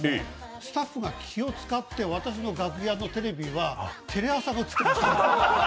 スタッフが気を使って私の楽屋のテレビはテレビ朝日が映ってます。